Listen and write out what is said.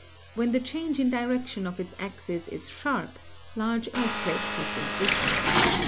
When the change in direction of its axis is sharp, large earthquakes have been frequent.